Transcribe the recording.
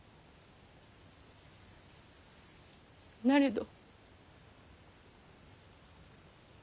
なれど。